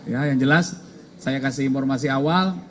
ya yang jelas saya kasih informasi awal